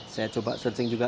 saya coba searching juga